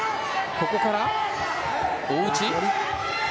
ここから大内。